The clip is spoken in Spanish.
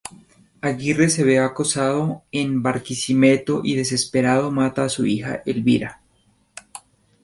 Aguirre, se ve acosado en Barquisimeto y desesperado mata a su hija Elvira.